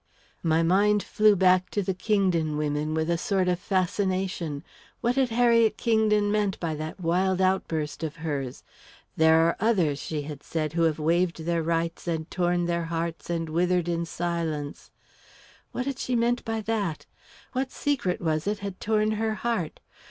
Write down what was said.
My mind flew back to the Kingdon women, with a sort of fascination. What had Harriet Kingdon meant by that wild outburst of hers? "There are others," she had said, "who have waived their rights and torn their hearts and withered in silence " What had she meant by that? What secret was it had torn her heart?